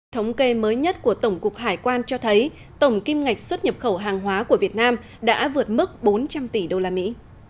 thống kê mới nhất của tổng cục hải quan cho thấy tổng kim ngạch xuất nhập khẩu hàng hóa của việt nam đã vượt mức bốn trăm linh tỷ đô la mỹ